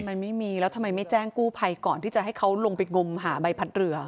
มันไม่มีแล้วทำไมไม่แจ้งกู้ภัยก่อนที่จะให้เขาลงไปงมหาใบพัดเรือ